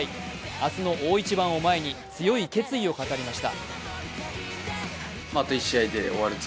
明日の大一番を前に強い決意を語りました。